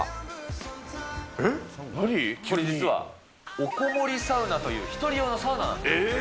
これ、実はおこもりサウナという１人用のサウナなんです。